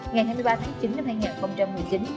ngày hai mươi ba tháng chín năm hai nghìn một mươi chín